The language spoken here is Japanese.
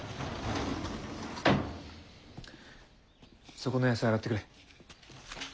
そこの野菜洗ってくれ。